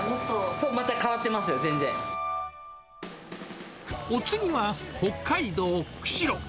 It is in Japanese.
そう、また変わってますよ、お次は、北海道釧路。